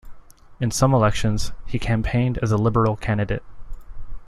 In some elections, he campaigned as a Liberal candidate.